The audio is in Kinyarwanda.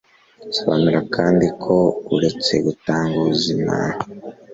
sobanura kandi ko uretse gutanga ubuzima